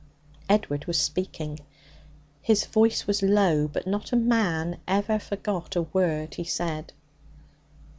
Edward was speaking. His voice was low, but not a man ever forgot a word he said.